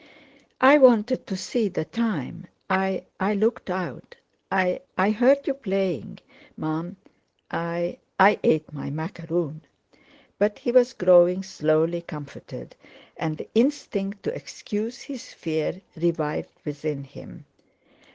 "I wanted to see the time; I—I looked out, I—I heard you playing, Mum; I—I ate my macaroon." But he was growing slowly comforted; and the instinct to excuse his fear revived within him.